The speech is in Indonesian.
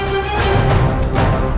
di mana istana kumbang berada